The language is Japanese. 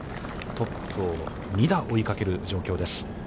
トップを２打追いかける状況です。